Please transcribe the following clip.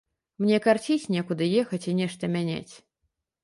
Мне карціць некуды ехаць і нешта мяняць.